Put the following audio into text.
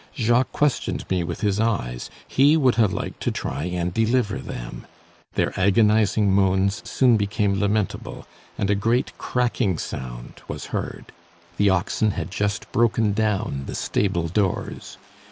Jacques questioned me with his eyes; he would have liked to try and deliver them. Their agonising moans soon became lamentable, and a great cracking sound was heard. The oxen had just broken down the stable doors.